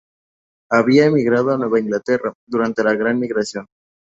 Habían emigrado a Nueva Inglaterra durante la Gran Migración.